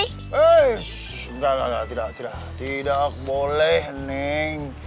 hei enggak enggak enggak tidak boleh neng